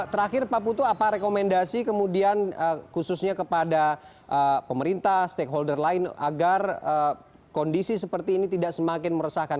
terakhir pak putu apa rekomendasi kemudian khususnya kepada pemerintah stakeholder lain agar kondisi seperti ini tidak semakin meresahkan